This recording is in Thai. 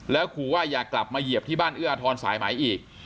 แล้วขอว่าอย่ากลับมาเหยียบที่บ้านเอื้ออาทรสายไหมอีก